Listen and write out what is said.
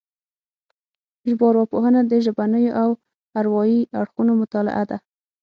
ژبارواپوهنه د ژبنيو او اروايي اړخونو مطالعه ده